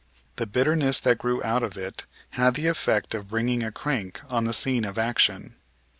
The bitterness that grew out of it had the effect of bringing a crank on the scene of action.